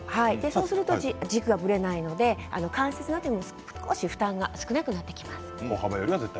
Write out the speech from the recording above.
そうすると軸がぶれないのでそうすると関節への負担が少し少なくなってきます。